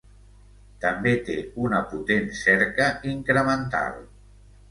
També té una potent cerca incremental.